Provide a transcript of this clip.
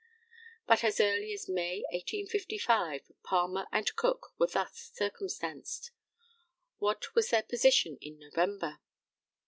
But as early as May, 1855, Palmer and Cook were thus circumstanced. What was their position in November?